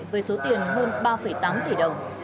với số tiền hơn ba tám tỷ đồng